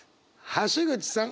橋口さん